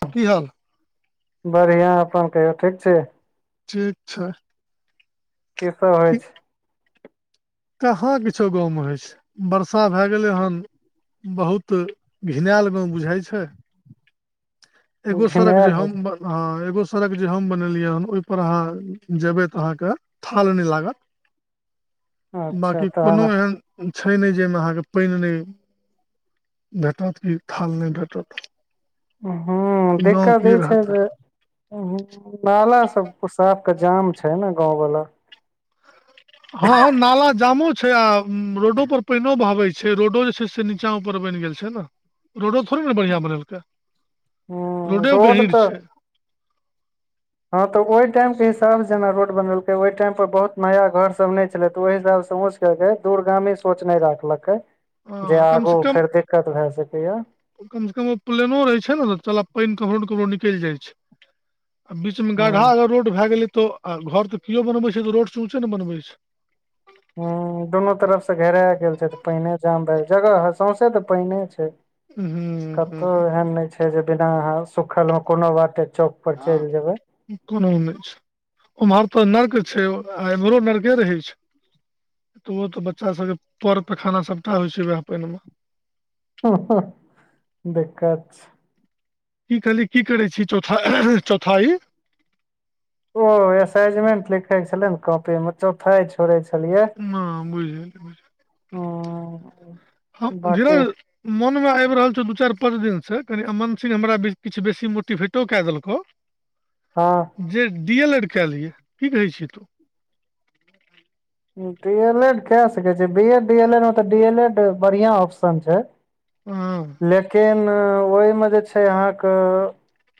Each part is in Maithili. तऽ की हल बढ़िआं अपन कहियौ ठीक छी ठीक छै की सब होइ छै कहाँ किछो गाँवमे होइ छै बर्षा भए गेलै हन बहुत घिनायल गाँव बुझाय छै एगो सड़क घिनायल जे होइ हम बन हँ एगो सड़क जे हम बनेलियै हन ओहि पर अहाँ जेबे तऽ अहाँके थाल नहि लागत छै अच्छा बाँकी तहन कोनो एहन छै नहि जाहिमे अहाँके पानि नहि भेटत की थाल नहि भेटत हूँ देक्ख गाँव दै की छै रहत जे नाला सबछ साफ के जाम छै ने गाँव वाला हं हम नाला जामो छै आ रोडो पर पानि बहबै छै रोडो जे छै से नीचाँ ऊपर बनि गेल छै ने रोडो थोड़े ने बढ़ियां बनेलकै हूँ रोडो रोड गहीँर छै ह तऽ ओहि टाईम के हिसाब से जेना रोड बनेलकै ओहि टाईम पर बहुत नया घर सब न नहि छले ते ओहि हिसाब केलकै दूरगामी सोच नहि राखलकै जे हँ आगू फेर दिक्कत भए सकै या कमसँ कम ओ प्लेनो रहै छै ने चलब पानि ककरो ने ककरो निकलि जाइ छै आ बीचमे गा्ढा हूँ अगर रोड भए गेलै तो घर तऽ कियो बनबै छै तऽ रोडसँ ऊचे ने बनबै छै हुं दुनू तरफ से घेरा गेल छै तऽ पानिए जाम रह छै जगह सौंसे तऽ पानि छै हूँ कतहु हूँ एहन नहि छै जे बिना अहाँ सुखल मे कोनो बाते चौक पर हँ चलि जेबै कोनो नहि छै ओम्हर तऽ नर्क छै एम्हरो नर्के रहै छै त बच्चा सब के पर पेखाना सबटा होइ छै वएह पानि मे ह ह देकत छै की कहली की करै छी चौथा चौथाई ओ असाइजमेंट लिखेके छलै ने कॉपी मे चौथाई छोड़ै छलियै बुझ हं हम बांकि धीरज मोन मे आबि रहल छौ दू चारि पाँच दिन से कनि अमन सिंह हमरा किछ बेसी मोटिवेटो क देलकौ [inaudible] हँ जे डी एल एड कय लिय की कहै छी तूं डी एल एड क सकै छी B Ed D L Ed मे तऽ डी एल एड बढ़िया ऑप्शन छै हँ लेकिन ओहिमे जे छै अहाँके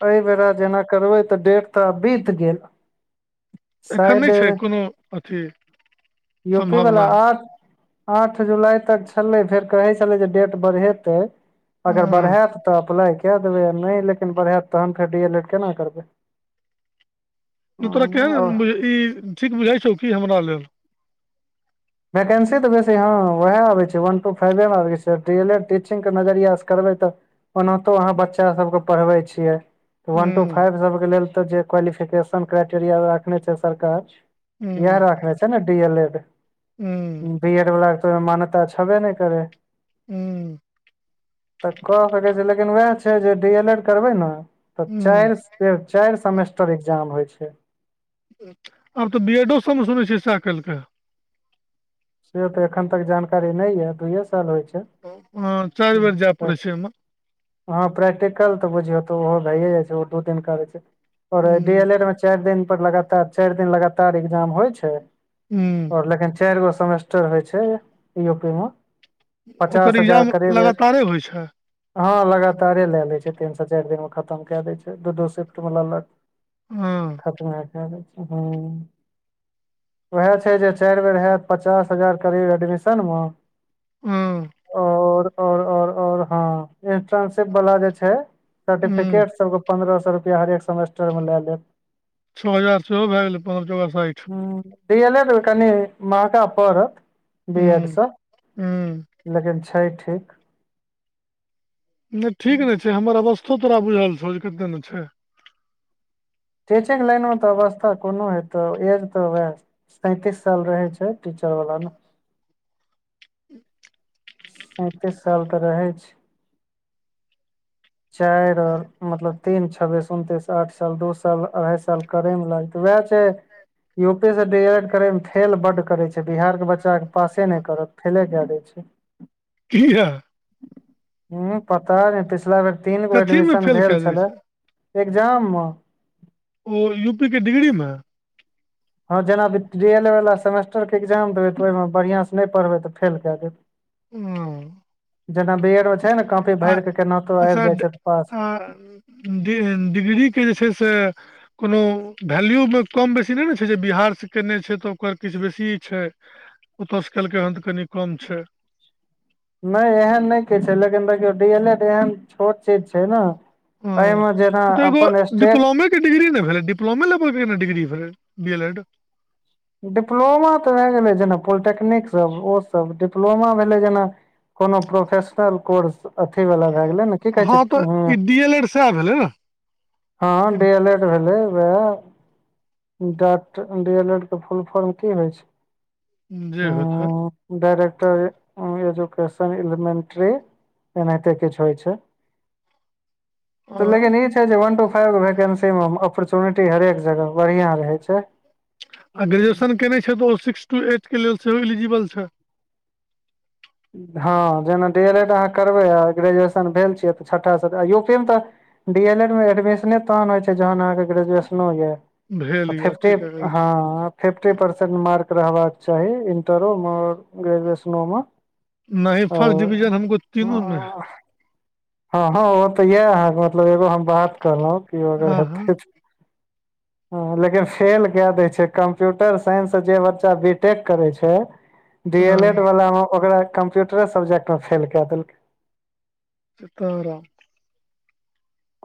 एहि बेरा जेना करबे तऽ डेट तऽ आब बीत गेल एखन शायद नहि छै कोनो अथी यू पी वला सम्भावना आठ आठ जुलाई तक छलै फेर कहै छलै जे डेट बढ़ेतै अगर हँ बढ़ायत तऽ अप्लाई कए देबै आ नहि लेकिन बढ़ायत तहन फेर डी एल एड केना करबै तोरा केहन ई ठीक बुझाई छौ की हमरा लेल वैकेन्सी तऽ बेसी हँ उएह आबैत छै वन टू फाइवेमे आबै छै डी एल एड टीचिंगके नजरियासँ करबै तऽ ओनाहितो अहाँ बच्चा सबके पढ़बै छियै तऽ वन टू हूँ फाईव सभके लेल तऽ जे क्वालिफिकेशन क्राइटेरिया रखने छै सरकार इयह रखने छै ने डी एल एड हूं बी एड वाला के त मान्यता छबे नहि करै हूं तऽ कऽ सकैत छी लेकिन वएह छै जे डी एल एड करबै ने तऽ हूँ चारि चारि सेमेस्टर एग्जाम होइ छै आब तऽ बी एडो सबमे सुनै छियै सैह केलकै से तऽ एखन तक जानकारी नहि ये दुइये साल होय छै हँ चारि बेर जाय पड़ै [unintelligible] छै ओहिमे हँ प्रैक्टिकल तऽ बुझियौ त ओहो भैए जाइ छै ओ दू दिन करै छै औरी हूँ एल एड मे चारि दिन पर लगातार चारि दिन लगातार एग्जाम होइ छै हूं आओर लेकिन चारि गो सेमेस्टर होइ छै यू पी मे ओकर पचास हजार एग्जाम करीब लगातारे होइ छै हँ लगातारे लए लैत छै तीनसँ चारि दिनमे खतम कए दैत छै दू दू शिफ्ट मे लेलक हँ खत कए द छै ह उएह छै जे चारि बेर हैत पचास हजार करीब एडमिशन मे हँ और और और और हँ इंटर्नशिप वाला जे छै हूँ सर्टिफिकेट सब के पंद्रह सौ रूप या हरेक सेमेस्टरमे लए लेत छओ हजार सेहो भए गेलै पन्द्रह चौका साठि हेयर अय ने कनी कनी मेकअप पर बी एड हूँ सँ हूँ लेकिन छै ठीक नहि ठीक ने छै हमर अवस्थो तोरा बुझल छौ कते ने छै टीचिंग लाइन मे तऽ अवस्था कोनो हेतौ एज तऽ वएह सैंतीस साल रहे छै टीचर वाला में सैंतीस साल तऽ रहै छै चारि मतलब तीन छब्बीस उनतीस आठ साल दू साल अढ़ाई साल करै मे लाग वएह छै यू पी से डी एल एड करे मे फेल बड करे छै बिहार के बच्चा के पासे नहि करत फेले कए देय छै कीया हूँ पता नहि पिछला बेर तीन गो कथी मे एडमिशन फेल भेल कए जाइ छलै छै एग्जाम मे ओ यू पी के डिग्री मे हँ जेना डी एल ए वला सेमेस्टरके एकग्जाम देबै तऽ ओहिमे बढ़िआँसँ नहि पढ़बै तऽ फेल कए दैतै हँ जेना बी एडो मे छै ने कॉफी भर के केनाहितो आबि जाई छैऽ पास ह डि-डिग्रीके जे छै से कोनो वैल्यूमे कम बेसी नहि ने छै जे बिहारसँ कयने छै तऽ ओकर किछु बेसी छै ओतसँ केलकै हन तऽ कनि कम छै नहि एहन नहि क छै लेकिन देखियौ डी एल एड एहन छोट चीज छै ने हँ एहिमे जेना ई तऽ एगो अपन स्टे डिप्लोमे डिग्री ले भेलैय डिपलोमा लेवल के डिग्री भेलै बी एल एड डिप्लोमा तऽ भए गेलै जेना पोलिटेक्निकसभ ओसभ डिप्लोमा भेलै जेना कोनो प्रोफेशनल कोर्स अथीवला भए गेलै ने की कहै छै हँ तऽ ह्म ई डी एल एड सएह भेलै ने हँ डी एल एड भेलै वएह डाक्ट डी एल एल के फुल फॉर्म की होइ छै जे होतहोई उम्म डायरेक्टर एजुकेशन एलिमेन्ट्री एनाहिते किछु होइ छै [inaudible] तऽ लेकिन आ ई छै जे वन टू फाइव वैकेंसी मे अपोर्चुनिटी हरेक जगह बढ़ियां रहै छै आ ग्रेजुएशन केने छै तऽ ओ सिक्स टू एटके लेल सेहो एलिजिबल छै हँ जेना डी एल एड अहाँ करबै आ ग्रेजुएशन भेल छियै तऽ छठास यू पी मे तऽ डी एल एड मे एडमिशने तहन होइ छै जहन अहाँके ग्रेजुएशनो या भेल यऽ फिफ्टी ठीके हँ फिफ्टी परसेन्ट मार्क रहबाक चाही इन्टरोमे आओर ग्रेजुएशनोमे नहि फर्स्ट डिविजन हमको तीनू में हँ हँ ओ तऽ इएह अहाँके मतलब एगो हम बात कहलहुँं कि अगर हाँ हेतै [inaudible] ह लेकिन फेल कै दै छै कंप्यूटर साइंस से जे बच्चा बी टेक करे छै [inaudible] डी एल एड वाला मे ओकरा कंप्यूटरे सब्जेक्ट में फेल कऽ देलकै सीता राम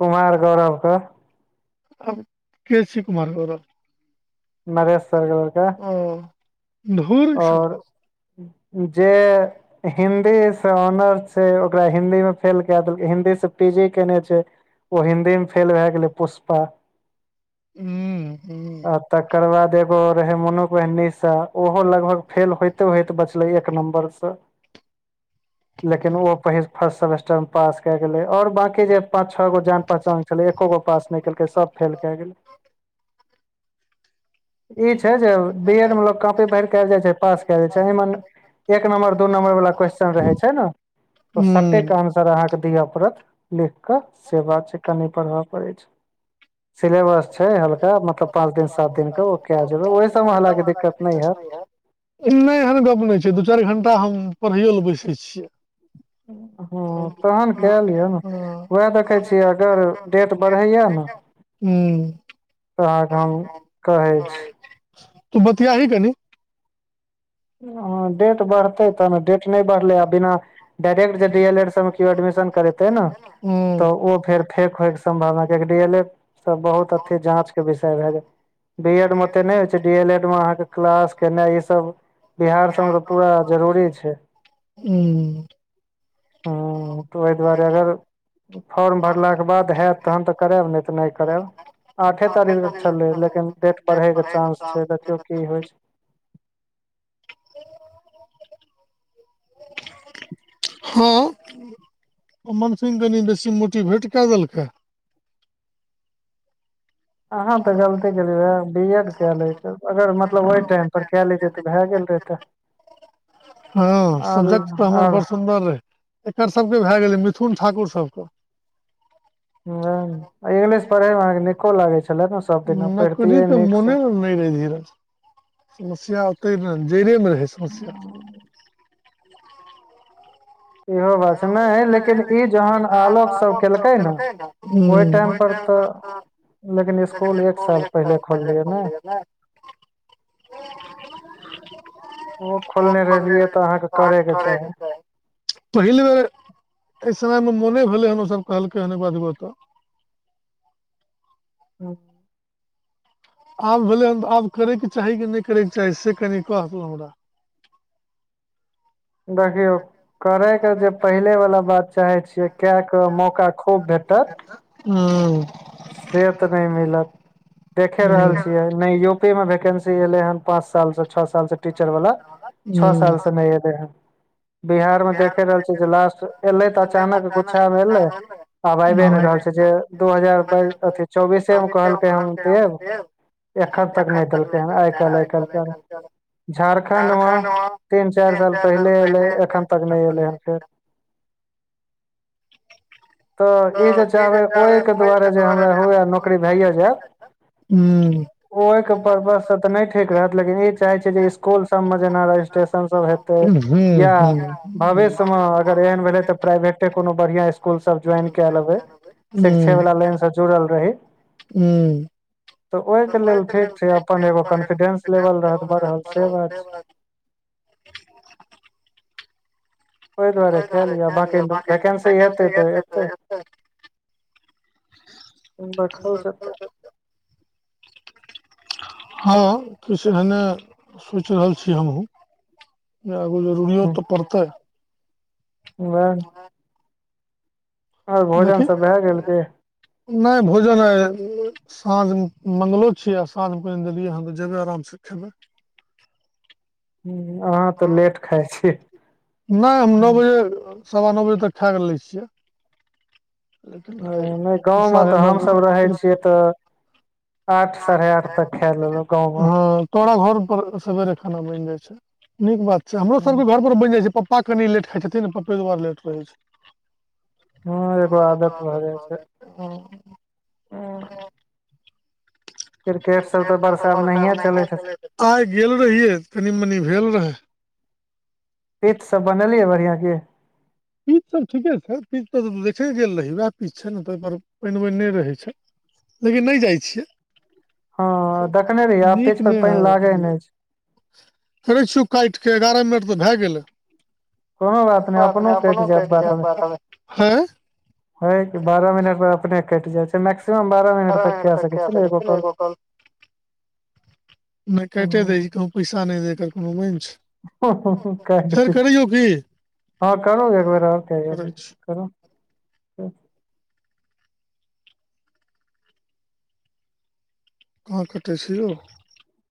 कुमार गौरव कऽ आब के छै कुमार गोरव नरेश सर के लड़का हु आओर जे हिन्दी से ऑनर्स छै ओकरा हिन्दी मे फेल कए देलकै हिंन्दी से पी जी केने छै ओ हिन्दी मे फेल भए गेलै पुष्पा हूँ हूँ आ तकर बाद एगो रहे [unintelligible] ओ हो लगभग फेल होइते होइते बचले एक नम्बर से लेकिन ओ पहिल फर्स्ट सेमेस्टर मे पास कए गेलै आओर बाँकी जे पाँच छओ गो जान पहचान छलै एको गो पास नहि केलकै सब फेल कए गेलै ई छै जे बी एड मे लोक काॅपी भरि कल जाइ छै पास कएल जाइ छै एक नम्बर दू नंबर वाला क्वेेशस्चन रहे छै ने हूंम्म सर अहाँ के दिअ पड़त लिख के सेवात छै कनि पढ़बय पड़े छै सिलेबस छै हल्का मतलब पाँच दिन सात दिनके ओ क जेबै ओहि सभमे हलाँकि दिक्कत नहि हए नहि एहन गप नहि छै दू चारि घंटा हम पढ़ैयो ले बैसे छियै हँ तब तहन हँ, कए लियौ ने उएह देखै छियै अगर डेट बढ़ैए ने हूँ, अहाँके हम कहै छी तू बतिया ही कनी हँ डेट बढ़तै तब ने डेट नहि बढ़लै आ बिना डायरेक्ट जे डी एल एड सब मे केओ एडमिशन करेते ने हूँ, तऽ ओ फेर फेक होयके सम्भवना कआकि डी एल ए सब बहुत अथी जाँचके विषय भए जा बी एड मे ओते नहि होइ छै डी एल एड मे अहाँके क्लास केनाइ ई सब बिहार सबमे तऽ पूरा जरूरी छै हूँ। ह तऽ ओहि दुआरे अगर फॉर्म भरलाके बाद हयैत तहन तऽ करायब नहि तऽ नहि करायब आठे तारीख छलै लेकिन डेट बढ़े के चानंस छै देखियौ की होइ छै ओ मन सिंह कनि बेसी मोटिवेट कए देलकै अहाँ [inaudible] तऽ हँ गलती केलियै रहे बी एड कए लैतै अगर मतलब ओहि टाइम पर कए लैतै तऽ भए गेल रहितै आब सब्जेक्ट तऽ हमर बड़ आब सुन्दर रहै एकर सबके भए गेलै मिथुन ठाकुर सबके ह इंगलिश पढ़े मे के निको लागे छै नौकरी के मोने नहि रहै धीरज समस्या ओतै जड़ेमे रहै समस्या इहो बात नहि ह लेकिन क तह आलोक सब केलकै ने ओहि टाइम पर आ लेकिन स्सकुल एक साल पहिले खोललियै ने ओ खोलने रहलियै तऽ अहाँके करेके चाही पहिल बेर एहि समय मे मोने भेलै हन ओ सब कहलकै हन एक दुो तऽ हँ आब भेलै हन तऽ आब करयके चाही कि नहि करयके चाही से कनि कहतेलहुँ हमरा देखियौ करयके जे पहिलेवला बात चाहै छियै कए कऽ मौका खूब भेटत हूंम्म से तऽ नहि मिलत देखे रहल छियै नहि यूपी मे वैकेंसी एले हन पाँच साल से छौ साल से टीचर वाला छौ साल से एले हन बिहार मे देखे रहल छै जे लास्ट एलै तऽ अचानक गुच्छामे एलै आब आइबे नहि रहल छै जे दू हजार हजार बाइस अथी बइस त चौबीसे मे चौबी कहलकै कहलकेै हम देब से एखन तक नहि देलकै हन आइ काल्हि आइ काल्हि के झारखण्ड मे तीन चारि साल पहिले एलै एखन तक नहि एलै हन फेर तऽ ई जे चाहबै ओहिके दुआरे जे हमरा ह नौकरी भैय जाय हूँ ओहिके परर्पस से तऽ नहि ठीक रहत लेकिन ई चाहे छै जे स्सकुल सबमे जेना रजिस्ट्रेशन सब हेतै हँ हँ भविष्य मे अगर एहन भेलै तऽ प्राइवेटे कोनो बढ़िआँ स्कूल सभ जोइन कऽ लेबै शिक्षे बला लैन सा जुड़ल रही हमरा त ओई लेल ठीक छै अपन एगो कॉन्फिडेंस लेवल रह बढ़ल से बात छै [inaudible] ओहि दुआरे होेय ब कए लिअ बाँकी वसी वैकेंसी तऽ एतै [inaudible] देखल जेतै [unintelligible] [inaudible] हँ किछु एहने सोचि रहल छी हमहुूँ आगु जरूरीयो तऽ पड़तै उवाह भोजन सब भए गेल देखहिन कि नहि भोजन साँझ मंगगलो छीयै आ साँझ मे पान देलियै ह तऽ जेबै आराम से खेबै हम्म अहाँ तऽ लेट खाइ छी नहि हम नौ हूँ बजे सवा नौ बजे तक खाय लै छियै लेकिन ह आइ नहि गाँवमे साढ़े तऽ नओ हमसभ रहै बजे छियै तऽ आठ साढ़े आठ तक खा लेल गाँवमे हँ तोरा घर पर सवेरे खाना बनि जाय छै नीक बात छै हमरो सब के घर पर बनि जाय छै पप्पा कनि लेट खाइ छथिन पप्पे दुआरें लेट रहै छै हँ एकगो आदत भ जाय छै हँ क्रिकेट सब तऽ वर्षा में नहिये चलैत हेतै आइ गेल रहियै त कनी मनी भेल रहै पेट सब बनेलियै बढ़ियां की पीच सब ठीके छै पीज तऽ देखे गेल रही उएह पीज छै ने तहि पर पानि पानि नहि रहै छै लेकिन नहि जाइ हँ छियै देखने रहियै आब पिच नीक पर नहि पानि लागे ह नहि छै करै छियौ काटिके एगारह मिनट तऽ भए गेलै कोनो बात नहि हंय अपने अपनो आपो न कटि जायत बारह में हैं है कि बारह मिनट पर अपने कटि जाइ छै से मैक्सिमम बारह मिनट तक केय सकै छलै एगो कॉल नहि कटे दै हूं छी कह पैसा नहि दे कोनो बं हँ हँ हँ काटि देतै हं करू एक बेर और करियौ करै ने करू कहाँ कटै छी यौ